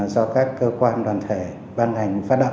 do các cơ quan đoàn thể ban hành phát động